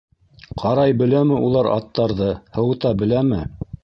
Ҡарай беләме улар аттарҙы, һыуыта беләме?